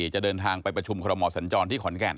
จะเดินทางไปประชุมคอรมอสัญจรที่ขอนแก่น